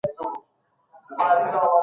حکومتونه چیري د مدني ټولني ملاتړ کوي؟